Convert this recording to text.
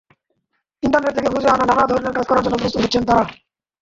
Internet থেকে খুঁজে আনা নানা ধরনের কাজ করার জন্য প্রস্তুত হচ্ছেন তাঁরা।